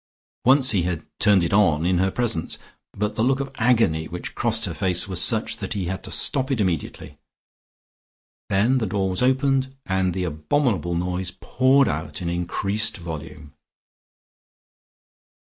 Once he had turned it on in her presence, but the look of agony which crossed her face was such that he had to stop it immediately. Then the door was opened, and the abominable noise poured out in increased volume.